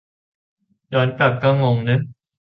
ย้อนกลับ ก็งงเนอะ.